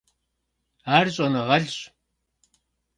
Ар щӏэныгъэлӏщ.